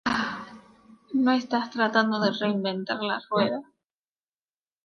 No está tratando de reinventar la rueda.